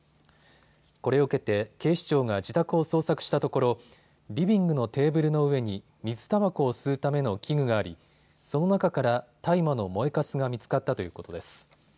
これを受けて警視庁が自宅を捜索したところリビングのテーブルの上に水たばこを吸うための器具がありその中から大麻の燃えかすが見つかったということです。